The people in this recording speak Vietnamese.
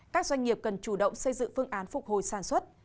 các doanh nghiệp cần chủ động xây dựng phương án phục hồi sản xuất